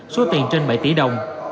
số tiền trên bảy tỷ đồng